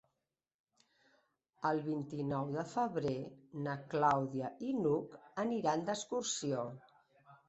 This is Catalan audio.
El vint-i-nou de febrer na Clàudia i n'Hug aniran d'excursió.